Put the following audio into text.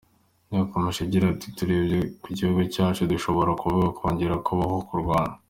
Yakomeje agira ati: "Turebye ku gihugu cyacu dushobora kuvuga kongera kubaho ku Rwanda.